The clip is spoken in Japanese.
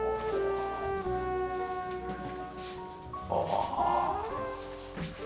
ああ！